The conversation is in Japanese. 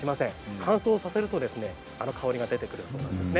乾燥させると、あの香りが出てくるんですね。